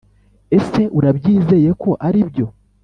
ese urabyizeye ko aribyo?